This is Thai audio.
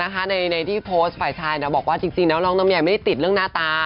ในที่โพสต์ฝ่ายชายบอกว่าจริงแล้วน้องลำไยไม่ได้ติดเรื่องหน้าตา